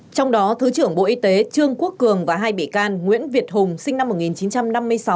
trong đó thứ trưởng bộ y tế trương quốc cường và hai bị can nguyễn việt hùng sinh năm một nghìn chín trăm năm mươi sáu